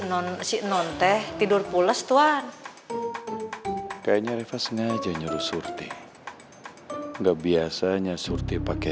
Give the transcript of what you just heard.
non si nonteh tidur pulas tuan kayaknya riva sengaja nyuruh surti nggak biasanya surti pakai